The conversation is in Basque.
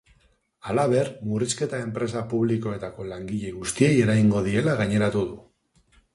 Halaber, murrizketa enpresa publikoetako langile guztiei eragingo diela gaineratu du.